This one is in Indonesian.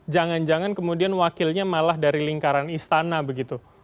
jangan jangan kemudian wakilnya malah dari lingkaran istana begitu